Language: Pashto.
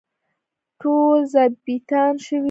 ټول ظابیطان شوي وو.